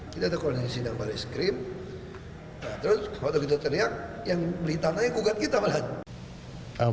kita ada kondisi tambah es krim terus kalau begitu teriak yang beli tanahnya bukan kita malah